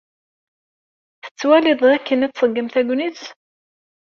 Tettwaliḍ dakken ad tṣeggem tegnit?